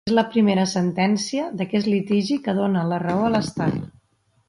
És la primera sentència d'aquest litigi que dona la raó a l'Estat.